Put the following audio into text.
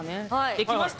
できました！